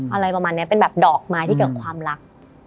อะไรประมาณนี้เป็นแบบดอกมาที่เกี่ยวกับความรัก